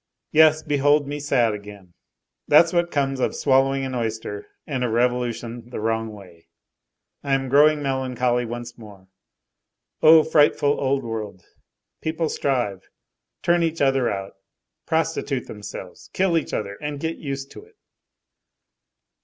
Yes, behold me sad again. That's what comes of swallowing an oyster and a revolution the wrong way! I am growing melancholy once more. Oh! frightful old world. People strive, turn each other out, prostitute themselves, kill each other, and get used to it!"